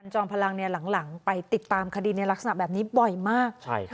จอมพลังเนี่ยหลังหลังไปติดตามคดีในลักษณะแบบนี้บ่อยมากใช่